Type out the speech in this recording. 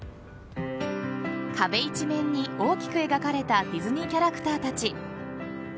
壁一面に大きく描かれたディズニーキャラクターたち。